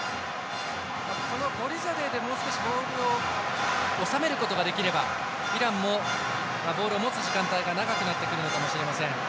このゴリザデーでボールを収めることができればイランもボールを持つ時間帯が長くなってくるのかもしれません。